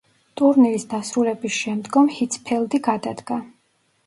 ტურნირის დასრულების შემდგომ ჰიცფელდი გადადგა.